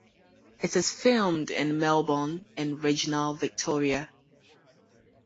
It is filmed in Melbourne and regional Victoria.